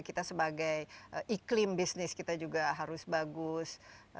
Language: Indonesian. kita sebagai iklim bisnis kita juga harus bagus